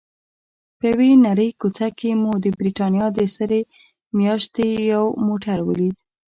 په یوې نرۍ کوڅه کې مو د بریتانیا د سرې میاشتې یو موټر ولید.